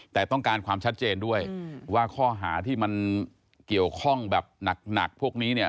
แต่ต้องการความชัดเจนด้วยว่าข้อหาที่มันเกี่ยวข้องแบบหนักพวกนี้เนี่ย